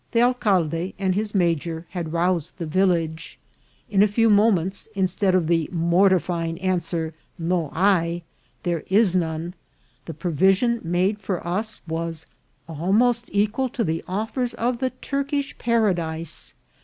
The alcalde and his major had roused the village. In a few moments, instead of the mortifying answer "no hay," there is none, the provision made for us was almost equal to the offers of the Turkish paradise.